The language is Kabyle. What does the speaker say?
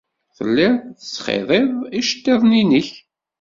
Telliḍ tettxiḍiḍ iceḍḍiḍen-nnek.